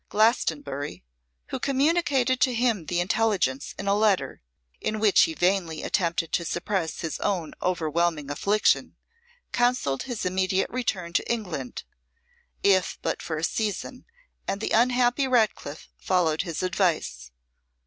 Glastonbury, who communicated to him the intelligence in a letter, in which he vainly attempted to suppress his own overwhelming affliction, counselled his immediate return to England, if but for a season; and the unhappy Ratcliffe followed his advice.